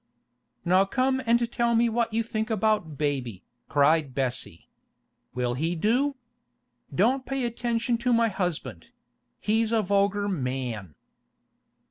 'Now come and tell me what you think about baby,' cried Bessie. 'Will he do? Don't pay any attention to my husband; he's a vulgar man!